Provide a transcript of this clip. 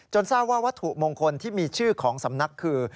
ทราบว่าวัตถุมงคลที่มีชื่อของสำนักคือ